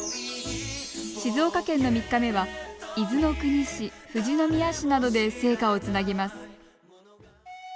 静岡県の３日目は伊豆の国市富士宮市などで聖火をつなぎます。